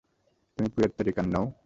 তুমি Puerto Rican নও?